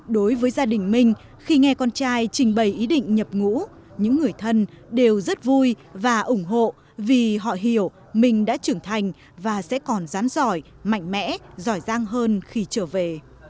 đối với gia đình mình khi nghe con trai trình bày ý định nhập ngũ những người thân đều rất vui và ủng hộ vì họ hiểu mình đã trưởng thành và sẽ còn rán giỏi mạnh mẽ giỏi giang hơn khi trở về